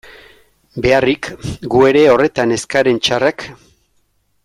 Beharrik, gu ere horretan ez garen txarrak...